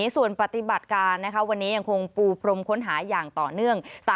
ส่วนปฏิบัติการวันนี้ยังคงปูพรมค้นหาอย่างต่อเนื่อง